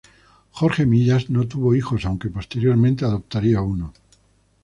Jorge Millas no tuvo hijos, aunque posteriormente adoptaría uno.